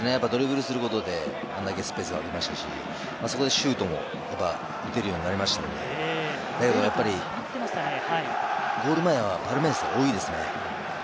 ドリブルすることで、あんだけスペースがあきましたし、ここでシュートも打てるようになりましたんで、ゴール前はパルメイラスが多いですね。